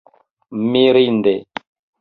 mirinde